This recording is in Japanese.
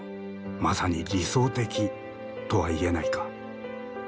まさに理想的とは言えないか？